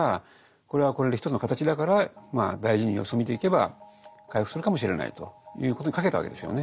これはこれで一つの形だからまあ大事に様子を見ていけば回復するかもしれないということにかけたわけですよね